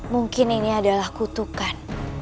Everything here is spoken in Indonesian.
mungkin ini adalah kutukan